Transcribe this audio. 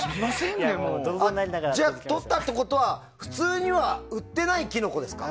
じゃあ、とったってことは普通には売ってないキノコですか。